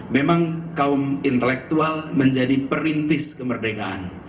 memang kaum intelektual menjadi perintis kemerdekaan